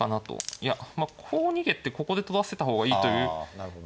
いやまあこう逃げてここで取らせた方がいいという説はあるので。